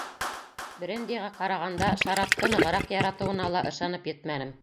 Брендиға ҡарағанда шарапты нығыраҡ яратыуына ла ышанып етмәнем.